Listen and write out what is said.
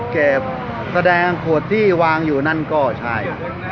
เก็บแสดงขวดที่วางอยู่นั่นก็ใช่